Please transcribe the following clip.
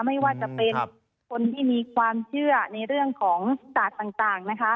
ไม่ว่าจะเป็นคนที่มีความเชื่อในเรื่องของศาสตร์ต่างนะคะ